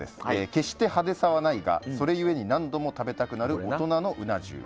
決して派手さはないがそれゆえに何度も食べたくなる大人のうな重。